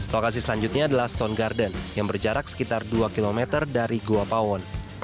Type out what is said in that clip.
lokasi selanjutnya adalah stone garden yang berjarak sekitar dua kilometer dari guapawon